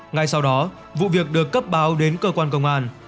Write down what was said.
ngay sau đó vụ việc được cấp báo đến cơ quan công an